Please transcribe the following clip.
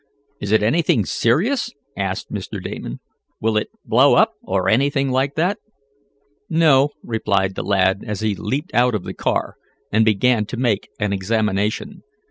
Is it anything serious?" asked Mr. Damon. "Will it blow up, or anything like that?" "No," replied the lad, as he leaped out of the car, and began to make an examination.